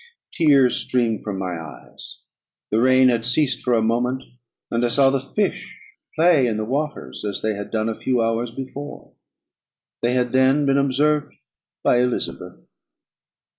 Tears streamed from my eyes. The rain had ceased for a moment, and I saw the fish play in the waters as they had done a few hours before; they had then been observed by Elizabeth.